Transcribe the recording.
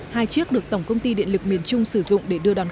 hai chiếc được tổng công ty điện lực miền trung sử dụng